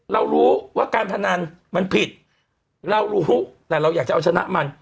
เรารู้ว่าการพนันมันผิดเรารู้แต่เราอยากจะเอาชนะมัน